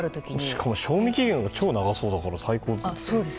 しかも賞味期限が超長そうだから最高ですね。